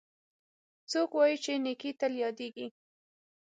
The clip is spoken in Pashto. څوک وایي چې نیکۍ تل یادیږي